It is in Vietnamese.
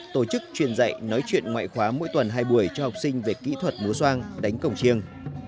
tổ chức truyền dạy nói chuyện ngoại khóa mỗi tuần hai buổi cho học sinh về kỹ thuật múa soang đánh cổng chiêng